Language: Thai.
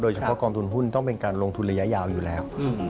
เฉพาะกองทุนหุ้นต้องเป็นการลงทุนระยะยาวอยู่แล้ว